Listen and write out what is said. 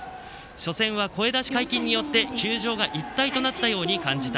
初戦は声出し解禁によって球場が一体になったように感じた。